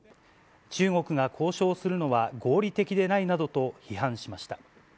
中国が交渉するのは合理的でないなどと批判しました。